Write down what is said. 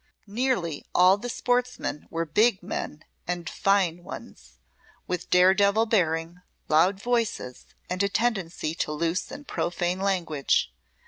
Nearly all the sportsmen were big men and fine ones, with dare devil bearing, loud voices, and a tendency to loose and profane language.